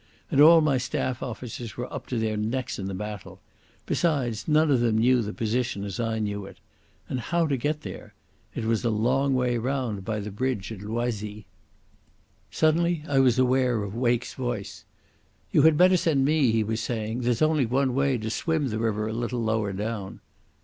And all my staff officers were up to their necks in the battle. Besides, none of them knew the position as I knew it.... And how to get there? It was a long way round by the bridge at Loisy. Suddenly I was aware of Wake's voice. "You had better send me," he was saying. "There's only one way—to swim the river a little lower down."